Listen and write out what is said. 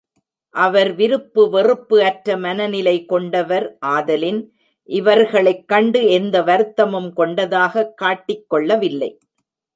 அவர் விருப்பு வெறுப்பு அற்ற மனநிலை கொண்டவர் ஆதலின் இவர்களைக் கண்டு எந்த வருத்தமும் கொண்டதாகக் காட்டிக் கொள்ளவில்லை.